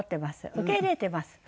受け入れてます。